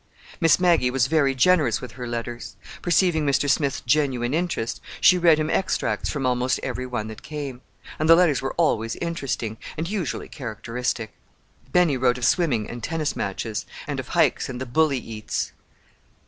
Miss Maggie was very generous with her letters. Perceiving Mr. Smith's genuine interest, she read him extracts from almost every one that came. And the letters were always interesting—and usually characteristic. Benny wrote of swimming and tennis matches, and of "hikes" and the "bully eats."